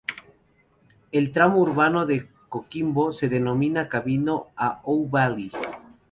En el tramo urbano de Coquimbo se denomina camino a Ovalle.